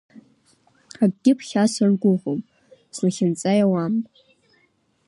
Акгьы ԥхьа саргәыӷом, Слахьынҵа иауам.